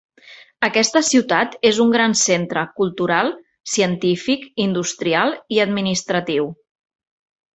Aquesta ciutat és un gran centre cultural, científic, industrial i administratiu.